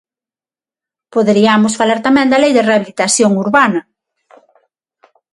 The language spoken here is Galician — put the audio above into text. Poderiamos falar tamén da Lei de rehabilitación urbana.